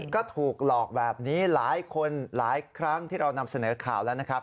ก็ถูกหลอกแบบนี้หลายคนหลายครั้งที่เรานำเสนอข่าวแล้วนะครับ